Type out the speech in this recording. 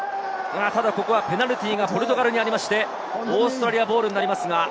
ここはペナルティーがポルトガルにあって、オーストラリアボールになります。